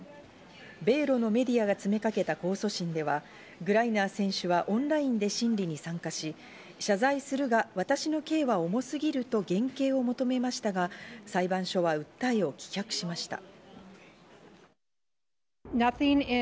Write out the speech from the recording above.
米露のメディアが詰めかけた控訴審では、グライナー選手はオンラインで審理に参加し、謝罪するが、私の刑は重すぎると減刑を求めましたが、裁判所は訴えを棄却しました。